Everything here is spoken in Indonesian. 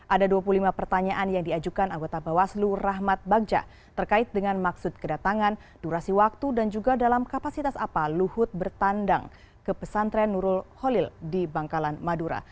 ada dua puluh lima pertanyaan yang diajukan anggota bawaslu rahmat bagja terkait dengan maksud kedatangan durasi waktu dan juga dalam kapasitas apa luhut bertandang ke pesantren nurul khalil di bangkalan madura